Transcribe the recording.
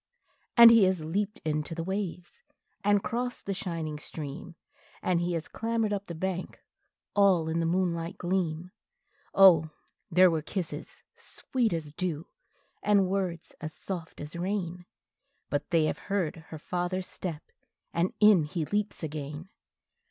And he has leaped into the waves, and crossed the shining stream, And he has clambered up the bank, all in the moonlight gleam; Oh there were kisses sweet as dew, and words as soft as rain, But they have heard her father's step, and in he leaps again!